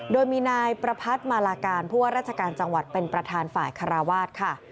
โดยมีนายประพัทธ์มาลาการผู้ว่าราชการจังหวัดเป็นประธานฝ่ายคาราวาสค่ะ